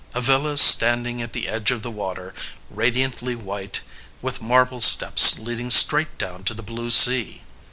A villa standing at the edge of the water radiantly white with marble steps leading straight down to the blue sea.